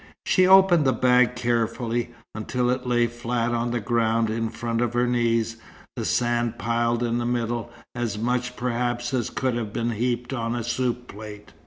She opened the bag carefully, until it lay flat on the ground in front of her knees, the sand piled in the middle, as much perhaps as could have been heaped on a soup plate.